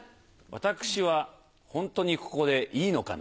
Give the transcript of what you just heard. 私はホントにここでいいのかな？